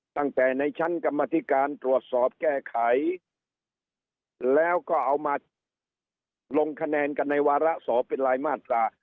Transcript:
ตั้งแต่ในชั้นกรรมธิการตรวจสอบแก้ไขแล้วก็เอามาลงคะแนนกันในวาระสอเป็นรายมาตรา